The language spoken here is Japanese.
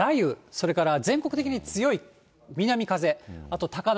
それから全国的に強い南風、あと高波。